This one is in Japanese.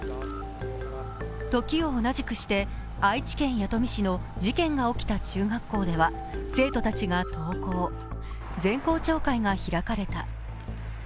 時を同じくして愛知県弥富市の事件が起きた中学校では生徒たちが登校、全校朝会が開かれた。